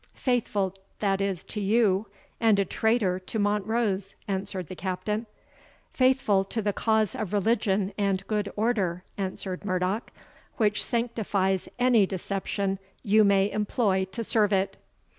"Faithful, that is, to you, and a traitor to Montrose," answered the Captain. "Faithful to the cause of religion and good order," answered Murdoch, "which sanctifies any deception you may employ to serve it."